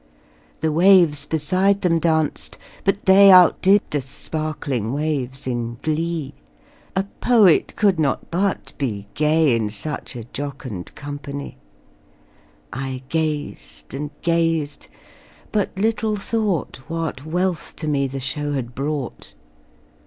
The waves beside them danced, but they Outdid the sparkling waves in glee: A poet could not but be gay In such a jocund company; I gazed and gazed but little thought What wealth the show to me had brought.